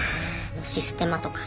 システマとか。